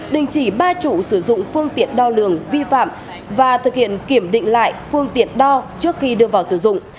đình chỉ ba chủ sử dụng phương tiện đo lường vi phạm và thực hiện kiểm định lại phương tiện đo trước khi đưa vào sử dụng